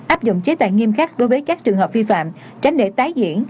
áp dụng chế tài nghiêm khắc đối với các trường hợp vi phạm tránh để tái diễn